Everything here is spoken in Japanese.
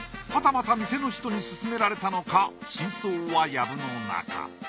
はたまた店の人に勧められたのか真相はやぶの中。